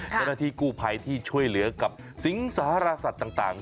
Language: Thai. เจ้าหน้าที่กู้ภัยที่ช่วยเหลือกับสิงสารสัตว์ต่าง